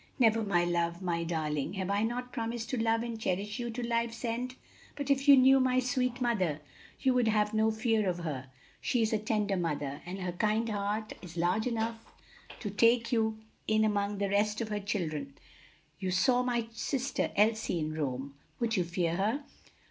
"Never, my love, my darling! Have I not promised to love and cherish you to life's end? But if you knew my sweet mother, you would have no fear of her. She is a tender mother, and her kind heart is large enough to take you in among the rest of her children. You saw my sister Elsie in Rome would you fear her?"